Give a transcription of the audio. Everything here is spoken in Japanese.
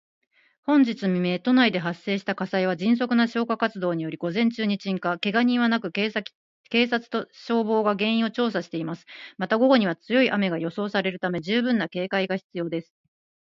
本日未明、都内で発生した火災は、迅速な消火活動により午前中に鎮火。けが人はなく、警察と消防が原因を調査しています。また、午後には強い雨が予想されるため、十分な警戒が必要です。